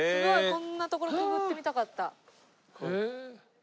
こんな所くぐってみたかった。